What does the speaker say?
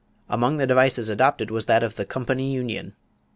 Among the devices adopted was that of the "company union."